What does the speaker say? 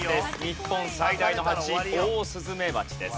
日本最大のハチオオスズメバチです。